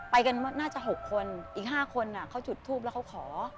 ไปกันน่าจะ๖คนอีก๕คนเขาจุดทูปแล้วเขาขอ